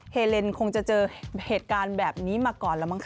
เลนคงจะเจอเหตุการณ์แบบนี้มาก่อนแล้วมั้งค